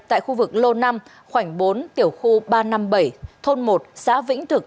tại khu vực lô năm khoảnh bốn tiểu khu ba trăm năm mươi bảy thôn một xã vĩnh thực